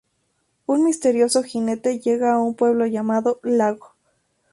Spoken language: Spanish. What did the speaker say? Un misterioso jinete llega a un pueblo llamado Lago.